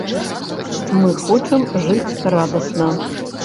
Мы хочам жыць радасна.